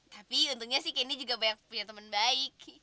tapi untungnya sih kenny juga banyak punya teman baik